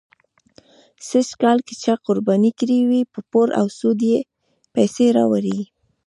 سږکال که چا قرباني کړې وي، په پور او سود یې پیسې راوړې.